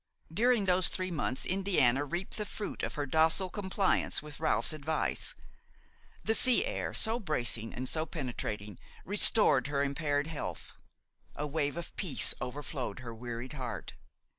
During those three months Indiana reaped the fruit of her docile compliance with Ralph's advice. The sea air, so bracing and so penetrating, restored her impaired health; a wave of peace overflowed her wearied heart.